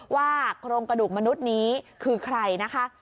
โครงกระดูกมนุษย์นี้คือใครนะคะ